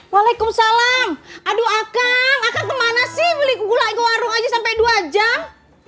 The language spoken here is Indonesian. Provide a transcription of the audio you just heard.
waalaikumsalam aduh akang akang kemana sih beli gula ke warung aja sampai dua jam